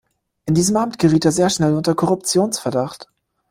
In diesem Amt geriet er sehr schnell unter Korruptionsverdacht.